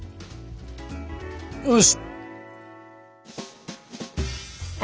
よし。